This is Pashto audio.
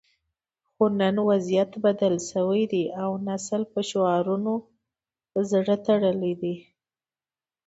خو نن وضعیت بدل شوی دی او نسل په شعارونو زړه تړلی دی